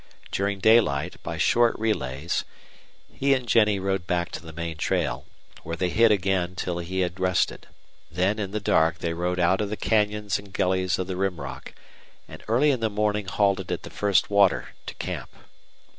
During daylight, by short relays, he and Jennie rode back to the main trail, where they hid again till he had rested. Then in the dark they rode out of the canyons and gullies of the Rim Rock, and early in the morning halted at the first water to camp.